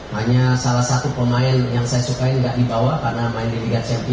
hanya salah satu pemain yang saya sukai gak dibawa karena main di liga champion